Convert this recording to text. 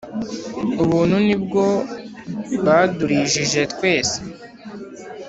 Ubuntu nibwo bwadulijije twese